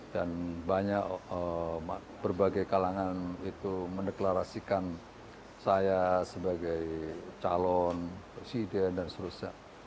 dan banyak berbagai kalangan itu mendeklarasikan saya sebagai calon presiden dan sebagainya